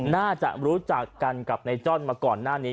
น่าจะรู้จักกันกับในจ้อนมาก่อนหน้านี้